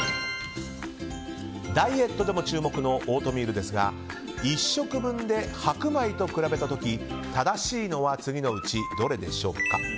ダイエットでも注目のオートミールですが１食分で白米と比べた時正しいのは次のうちどれでしょうか？